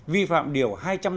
vi phạm điều hai trăm năm mươi bảy